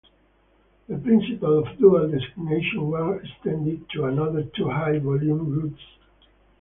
The principle of dual designation was extended to another two high-volume routes.